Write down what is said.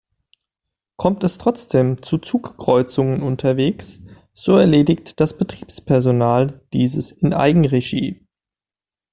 Kommt es trotzdem zu Zugkreuzungen unterwegs, so erledigt das Betriebspersonal dieses in Eigenregie.